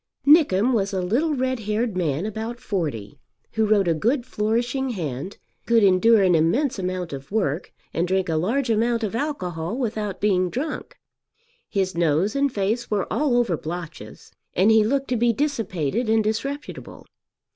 Nickem was a little red haired man about forty, who wrote a good flourishing hand, could endure an immense amount of work, and drink a large amount of alcohol without being drunk. His nose and face were all over blotches, and he looked to be dissipated and disreputable.